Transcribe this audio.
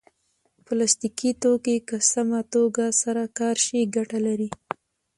پلاستيکي توکي که سمه توګه سره کار شي ګټه لري.